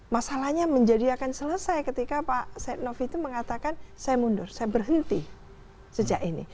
masalahnya menjadi akan selesai ketika pak setnov itu mengatakan saya mundur saya berhenti sejak ini